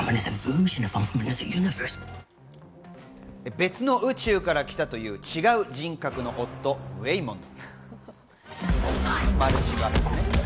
別の宇宙から来たという違う人格の夫・ウェイモンド。